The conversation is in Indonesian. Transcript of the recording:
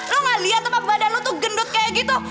lo gak lihat tebak badan lo tuh gendut kayak gitu